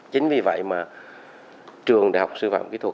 chính vì vậy mà trường đại học sư phạm kỹ thuật